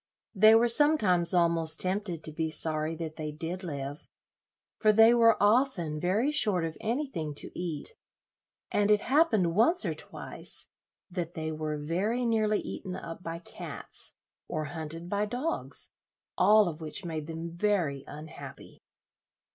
They were sometimes almost tempted to be sorry that they did live, for they were often very short of anything to eat, and it happened once or twice that they were very nearly eaten up by cats, or hunted by dogs, all of which made them very unhappy.